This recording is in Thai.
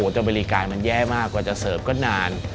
แต่บริการมันแย่มากกว่าจะเสิร์ฟก็นาน